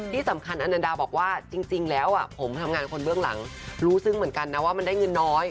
ที่สำคัญอนันดาบอกว่าจริงแล้วผมทำงานคนเบื้องหลังรู้ซึ้งเหมือนกันนะว่ามันได้เงินน้อย